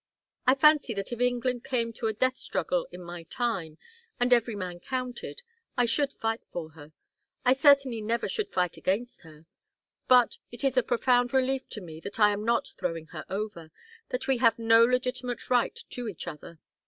I fancy that if England came to a death struggle in my time, and every man counted, I should fight for her. I certainly never should fight against her. But it is a profound relief to me that I am not throwing her over, that we have no legitimate right to each other.